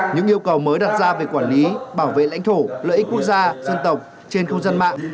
những yêu cầu mới đặt ra về quản lý bảo vệ lãnh thổ lợi ích quốc gia dân tộc trên không gian mạng